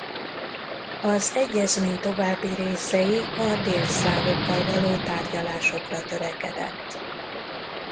Az egyezmény további részei a délszlávokkal való tárgyalásokra törekedett.